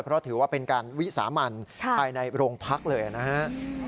เพราะถือว่าเป็นการวิสามันภายในโรงพักเลยนะฮะ